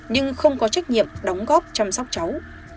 nhưng không có trách nhiệm đóng góp chăm sóc cháu